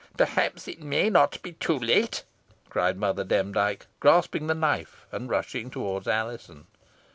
"Perhaps it may not be too late," cried Mother Demdike, grasping the knife, and rushing towards Alizon.